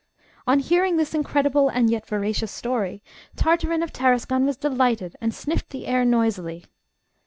On hearing this incredible and yet veracious story Tartarin of Tarascon was delighted, and sniffed the air noisily.